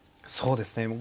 そうですね